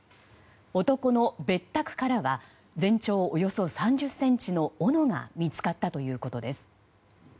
男の別宅からは全長およそ３０ｃｍのおのが見つかったということです。